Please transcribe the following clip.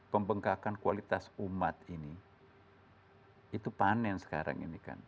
pembengkakan kualitas umat ini itu panen sekarang ini kan